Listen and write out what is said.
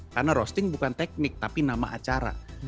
karena roasting bukan teknik tapi nama acara